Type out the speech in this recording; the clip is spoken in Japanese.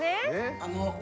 あの。